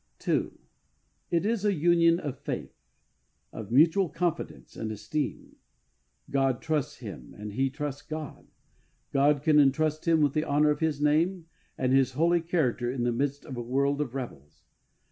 II. It is a Union of Faith — of mutual confidence and esteem. God trusts him, and he trusts God. God can entrust him with the honour of His name and His holy character in the midst of a world of rebels.